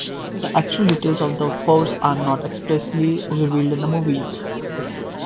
The actual details of the force are not expressly revealed in the movies.